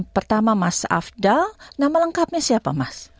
pertama mas afdal nama lengkapnya siapa mas